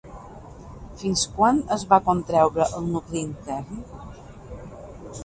Fins quan es va contreure el nucli intern?